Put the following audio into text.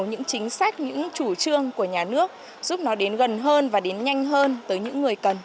những chính sách những chủ trương của nhà nước giúp nó đến gần hơn và đến nhanh hơn tới những người cần